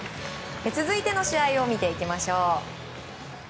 続いての試合を見ていきましょう。